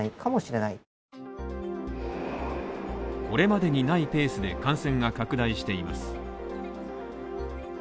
これまでにないペースで感染が拡大しています。